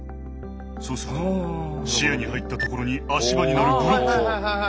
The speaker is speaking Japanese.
そうすると視野に入ったところに足場になるブロックが。